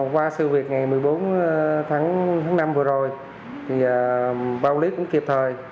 qua sự việc ngày một mươi bốn tháng năm vừa rồi thì ban quản lý cũng kịp thời